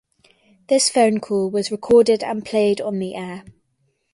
This phone call was recorded and played on the air.